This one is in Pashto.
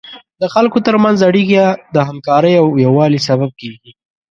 د خلکو تر منځ اړیکې د همکارۍ او یووالي سبب کیږي.